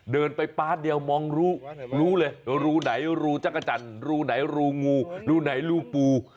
เดินไปพาร์ทเดียวมองรู้รู้เลยรู้ไหนรู้จักรจันรู้ไหนรู้งูรู้ไหนรู้ปู